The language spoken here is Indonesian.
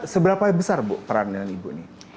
seberapa besar bu peran dengan ibu ini